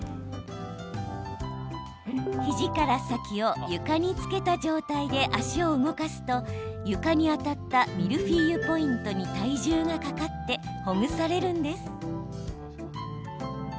肘から先を床につけた状態で足を動かすと、床に当たったミルフィーユポイントに体重がかかってほぐされるんです。